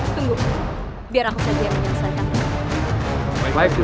tunggu biar aku saja menyelesaikanmu